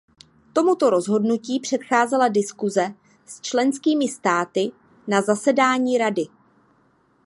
Tomuto rozhodnutí předcházela diskuse s členskými státy na zasedání Rady.